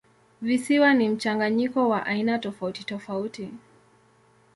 Visiwa ni mchanganyiko wa aina tofautitofauti.